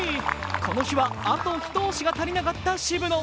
この日は、あと一押しが足りなかった渋野。